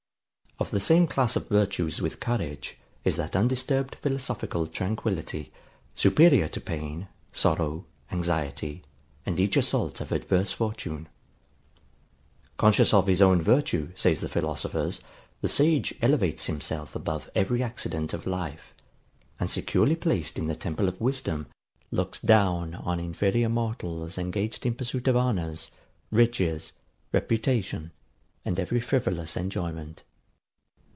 ] Of the same class of virtues with courage is that undisturbed philosophical tranquillity, superior to pain, sorrow, anxiety, and each assault of adverse fortune. Conscious of his own virtue, say the philosophers, the sage elevates himself above every accident of life; and securely placed in the temple of wisdom, looks down on inferior mortals engaged in pursuit of honours, riches, reputation, and every frivolous enjoyment.